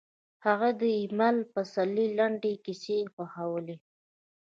هغې د ایمل پسرلي لنډې کیسې خوښولې